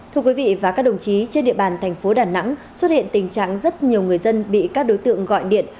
thưa quý vị và các đồng chí trên địa bàn thành phố đà nẵng xuất hiện tình trạng rất nhiều người dân bị các đối tượng gọi điện